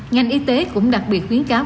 ngành y tế cũng đặc biệt khuyến cáo